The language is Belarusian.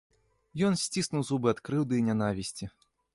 Ён сціснуў зубы ад крыўды і нянавісці.